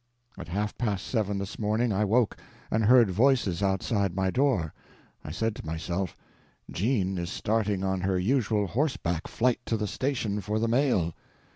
At half past seven this morning I woke, and heard voices outside my door. I said to myself, "Jean is starting on her usual horseback flight to the station for the mail."